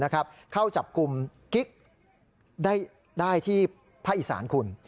เข้าจับกลุ่มกิ๊กได้ที่ภาคอีสานคุณ